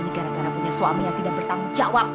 ini gara gara punya suami yang tidak bertanggung jawab